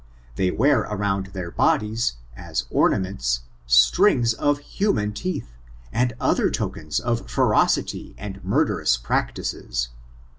They wear around their bodies, as or naments, strings of human teeth, and otber tokens of ferocity and murderous practices.